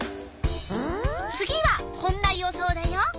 次はこんな予想だよ。